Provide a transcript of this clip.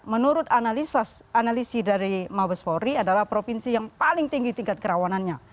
menurut analisis dari mabes polri adalah provinsi yang paling tinggi tingkat kerawanannya